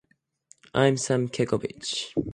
I'm Sam Kekovich.